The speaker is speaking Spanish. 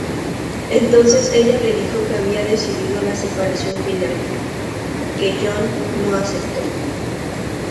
Entonces ella le dijo que había decidido la separación final, que John no aceptó.